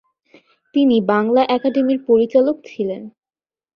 তিনি বাংলা একাডেমির পরিচালক ছিলেন।